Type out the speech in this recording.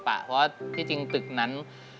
เพราะว่าที่จริงตึกนั้น